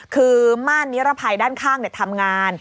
คือม่านนิรภัยด้านข้างทำงาน